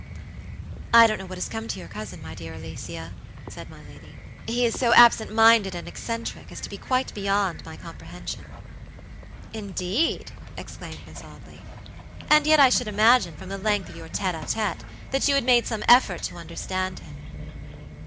"I don't know what has come to your cousin, my dear Alicia," said my lady. "He is so absent minded and eccentric as to be quite beyond my comprehension." "Indeed," exclaimed Miss Audley; "and yet I should imagine, from the length of your tête a tête, that you had made some effort to understand him."